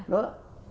ya tentu bisa